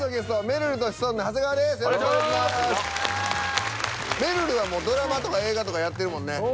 めるるはドラマとか映画とかやってるもんね。